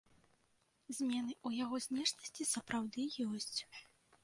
Змены ў яго знешнасці сапраўды ёсць.